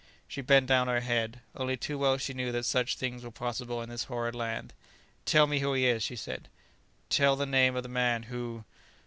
She bent down her head; only too well she knew that such things were possible in this horrid land. "Tell me who he is!" she said; "tell the name of the man who